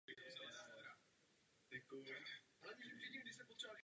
V řadách jeho členů absolvoval nespočet historických jízd.